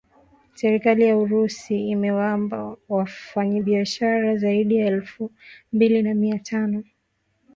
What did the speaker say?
serikali ya urusi imewaomba wafanyibishara zaidi ya elfu mbili na mia tano